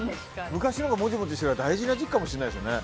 昔のほうがもじもじしてて大事な時期かもしれないですね。